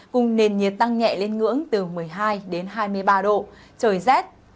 cùng nền nhiệt tăng nhẹ lên ngưỡng từ một mươi hai đến hai mươi ba độ trời rét